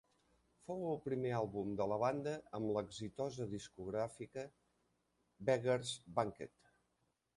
Fou el primer àlbum de la banda amb l'exitosa discogràfica Beggars Banquet.